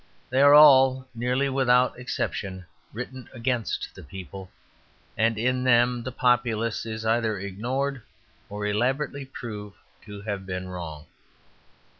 They are all, nearly without exception, written against the people; and in them the populace is either ignored or elaborately proved to have been wrong.